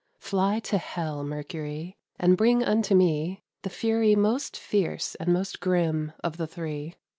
Fly to hell, Mercury! And bring unto me The Fury most fierce and most grim of the three!